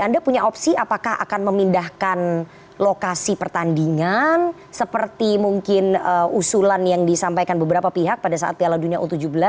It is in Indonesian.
anda punya opsi apakah akan memindahkan lokasi pertandingan seperti mungkin usulan yang disampaikan beberapa pihak pada saat piala dunia u tujuh belas